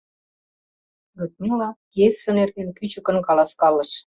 Людмила пьесе нерген кӱчыкын каласкалыш...